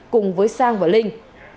cùng với sang và linh